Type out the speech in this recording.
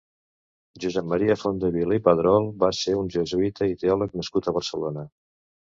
Josep Maria Fondevila i Padrol va ser un jesuïta i teòleg nascut a Barcelona.